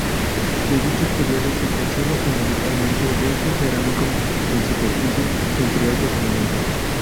De dichos períodos se conservan fundamentalmente restos cerámicos en superficie, entre otros elementos.